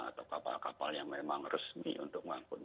atau kapal kapal yang memang resmi untuk mengangkut